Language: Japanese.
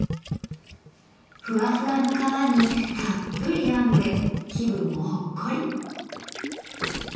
ふわふわの皮にたっぷりあんで気分もほっこり。